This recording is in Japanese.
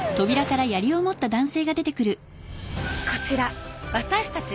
こちら私たち